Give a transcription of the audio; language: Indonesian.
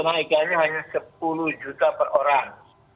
kenaikannya hanya sepuluh juta per orang